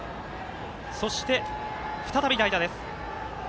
そして、再び、代打です。